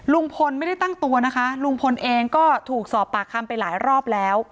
ลุงพลไม่ได้ตั้งตัวนะคะลุงพลเองก็ถูกสอบปากคำไปหลายรอบแล้ว